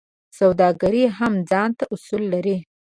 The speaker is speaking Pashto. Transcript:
سوداګري هم ځانته اصول لري.